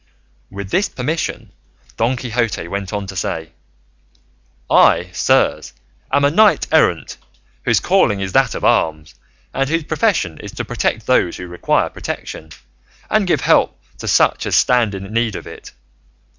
With this permission Don Quixote went on to say, "I, sirs, am a knight errant whose calling is that of arms, and whose profession is to protect those who require protection, and give help to such as stand in need of it.